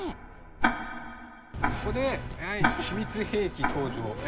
ここで秘密兵器登場。